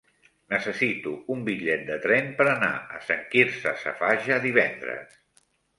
Necessito un bitllet de tren per anar a Sant Quirze Safaja divendres.